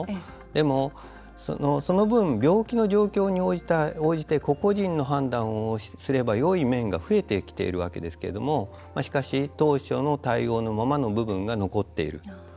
でも、その分病気の状況に応じて個々人の判断をすれば、よい面が増えてきているわけですけどもしかし、当初の対応のままの部分が残っていると。